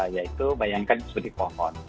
yaitu bayangkan seperti pohon